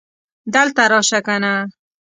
دلته راشه کنه